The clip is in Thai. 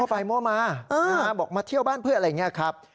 มั่วไปมั่วมาบอกมาเที่ยวบ้านเพื่อนอะไรแบบนี้ครับ